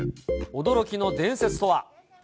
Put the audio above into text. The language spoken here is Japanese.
驚きの伝説とは。